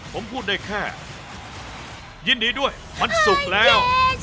ผมพูดได้แค่ยินดีด้วยวันศุกร์แล้ว